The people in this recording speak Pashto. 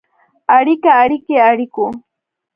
اړیکه ، اړیکې، اړیکو.